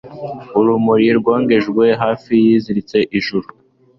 urumuri rwogejwe, hafi yiziritse ijuru